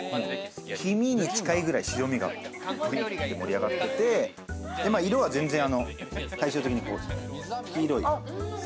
黄身に近いくらい白身が盛り上がってて、色は全然、対照的に黄色い。